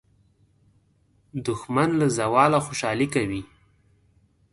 دښمن له زواله خوشالي کوي